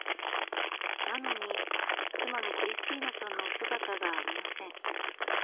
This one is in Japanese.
なのに妻のクリスティーナさんの姿がありません。